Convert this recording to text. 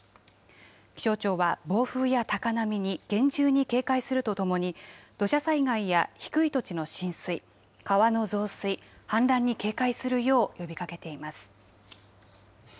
気象庁は暴風や高波に厳重に警戒するとともに、土砂災害や低い土地の浸水、川の増水、氾濫に警戒するよう呼びかけています。